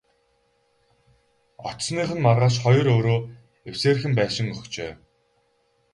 Очсоных нь маргааш хоёр өрөө эвсээрхэн байшин өгчээ.